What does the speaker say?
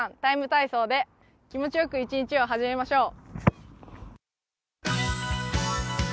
ＴＩＭＥ，体操」で気持ちよく一日を始めましょう。